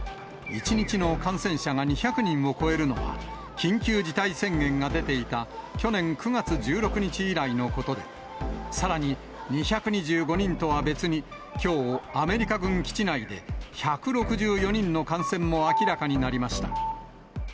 １日の感染者が２００人を超えるのは、緊急事態宣言が出ていた去年９月１６日以来のことで、さらに２２５人とは別に、きょう、アメリカ軍基地内で１６４人の感染も明らかになりました。